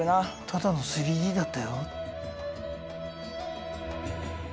ただの３Ｄだったよ。